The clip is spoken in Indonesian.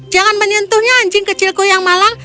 jangan menyentuhnya anjing kecilku yang malang